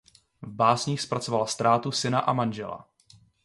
V básních zpracovala ztrátu syna a manžela.